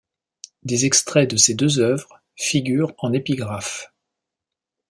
Des extraits de ces deux œuvres figurent en épigraphes.